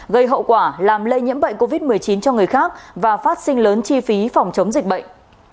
gây hậu quả làm lây nhiễm bệnh covid một mươi chín cho người khác và phát sinh lớn chi phí phòng chống dịch bệnh